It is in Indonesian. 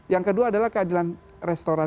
yang kedua adalah keadilan restoran